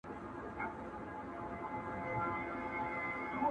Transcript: شمع سې پانوس دي کم پتنګ دي کم!.